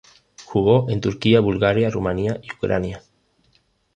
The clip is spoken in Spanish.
Jugó en Turquía, Bulgaria, Rumanía y Ucrania.